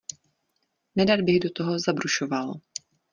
Nerad bych do toho zabrušoval.